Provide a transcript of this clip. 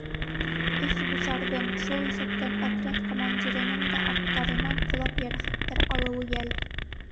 Өс гусарҙың, шул иҫәптән отряд командирының да аттарынан ҡолап, йәрәхәттәр алыуы йәл.